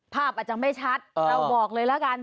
ภาพอาจจะไม่ชัดเราบอกเลยละกัน